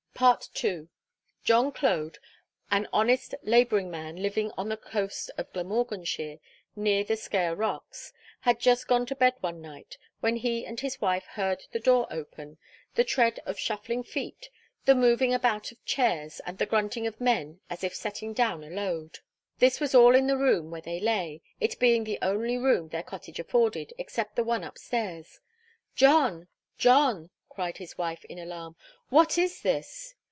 II. John Clode, an honest labouring man living on the coast of Glamorganshire, near the Sker Rocks, had just gone to bed one night, when he and his wife heard the door open, the tread of shuffling feet, the moving about of chairs, and the grunting of men as if setting down a load. This was all in the room where they lay, it being the only room their cottage afforded, except the one upstairs. 'John, John!' cried his wife in alarm, 'what is this?'